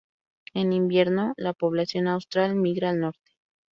En invierno la población austral migra al norte.